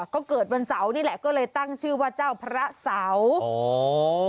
ก็เกิดวันเสาร์นี่แหละก็เลยตั้งชื่อว่าเจ้าพระเสาอ๋อ